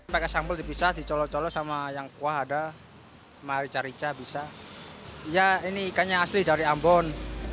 pakai sambal dipisah dicolo colo sama yang kuah ada sama rica rica bisa ya ini ikannya asli dari ambon